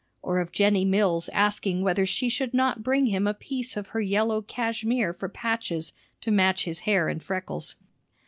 or of Jennie Mills's asking whether she should not bring him a piece of her yellow cashmere for patches, to match his hair and freckles.